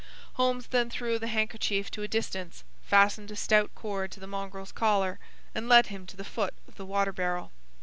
Holmes then threw the handkerchief to a distance, fastened a stout cord to the mongrel's collar, and led him to the foot of the water barrel.